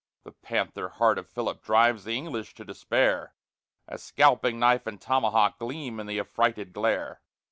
The panther heart of Philip drives the English to despair, As scalping knife and tomahawk gleam in th' affrighted glare.